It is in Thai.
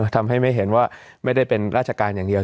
ทำให้ไม่เห็นว่าไม่ได้เป็นราชการอย่างเดียว